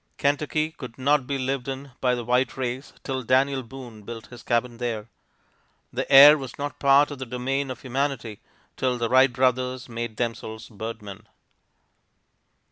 Kentucky could not be lived in by the white race till Daniel Boone built his cabin there. The air was not part of the domain of humanity till the Wright brothers made themselves birdmen.